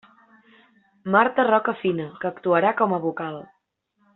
Marta Roca Fina, que actuarà com a vocal.